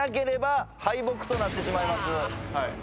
はい。